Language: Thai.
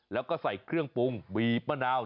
แล้วก็ใส่เครื่องปรุงบีบมะนาว